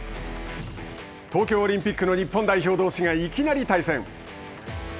東京オリンピックの日本代表どうしがいきなり対戦。